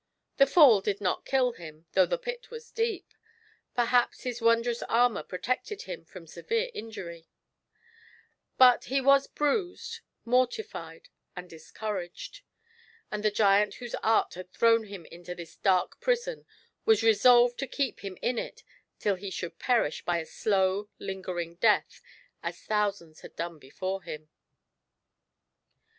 The fall did not Itill him, though the pit was deep — perhaps his wondrous armour protected him from severe injury — but he was bruised, mortified, and discouraged ; and the giant whose art had thrown hijn into this dark prison was resolved to keep him in it till he should perish by a slow, lingering death, as thousands had done before him.